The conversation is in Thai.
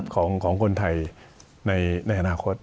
ของคนไทยในอนาคต